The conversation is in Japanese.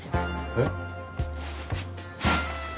えっ？